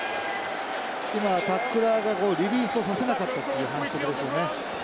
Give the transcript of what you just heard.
今タックラーがリリースをさせなかったっていう反則ですよね。